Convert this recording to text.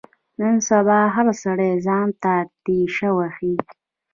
نن سبا هر سړی ځان ته تېشه وهي.